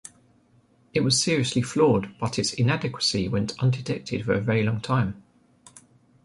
It was seriously flawed, but its inadequacy went undetected for a very long time.